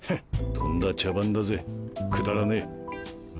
とんだ茶番だぜくだらねえ。